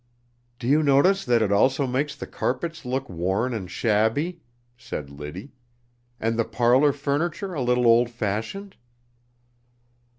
"Do you notice that it also makes the carpets look worn and shabby?" said Liddy; "and the parlor furniture a little old fashioned?"